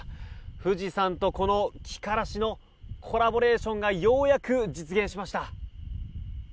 富士山とキカラシのコラボレーションがようやく実現しました。